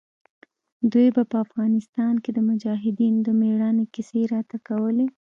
دوى به په افغانستان کښې د مجاهدينو د مېړانې کيسې راته کولې.